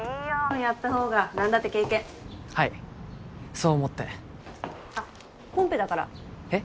やったほうが何だって経験はいそう思ってあっコンペだからえっ？